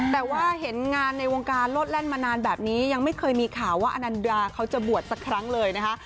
แต่ว่าเห็นงานในวงการโลดแล่นมานานแบบนี้ยังไม่เคยมีข่าวว่าอนันดาเขาจะบวชสักครั้งเลยนะคะ